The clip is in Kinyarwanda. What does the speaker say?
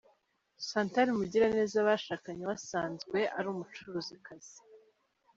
Chantal Mugiraneza bashakanye, we asanzwe ari umucuruzikazi.